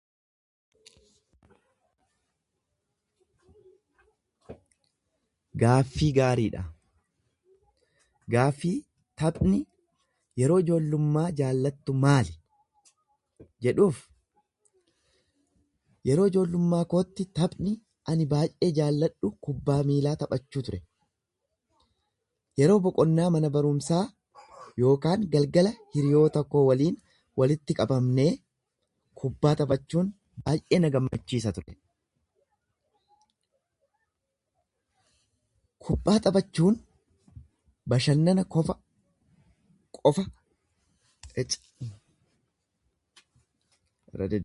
Gaaffii gaariidha. Gaafii taphni yeroo ijoollummaa jaallattu maali jedhuuf Yeroo ijoollummaa kootti taphni ani baay’ee jaalladhu kubbaa miilaa taphachuu ture. Yeroo boqonnaa mana barumsaa yookaan galgala hiriyoota koo waliin walitti qabamnee kubbaa taphachuun baay’ee na gammachiisa ture. Kuphaa taphachuun bashannana kofa... qofa ecci erra dedde..